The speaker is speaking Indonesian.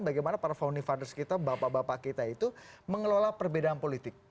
bagaimana para founding fathers kita bapak bapak kita itu mengelola perbedaan politik